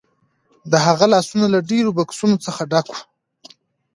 د هغه لاسونه له ډیرو بکسونو څخه ډک وو